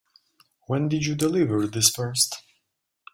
When did you deliver this first?